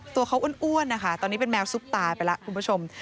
ตัวเขาอ้วนนะคะตอนนี้เป็นแมวซุปตาไปแล้วคุณผู้ชม